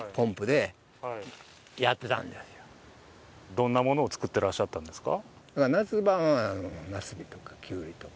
どんなものを作っていらっしゃったんですか。